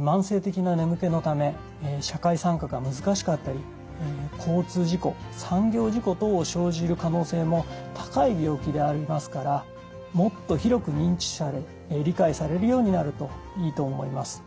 慢性的な眠気のため社会参加が難しかったり交通事故産業事故等を生じる可能性も高い病気でありますからもっと広く認知され理解されるようになるといいと思います。